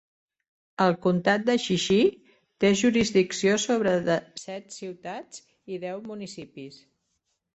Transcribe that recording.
El comtat de Jixi té jurisdicció sobre de set ciutats i deu municipis.